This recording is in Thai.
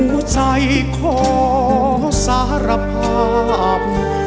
หัวใจขอสารภาพ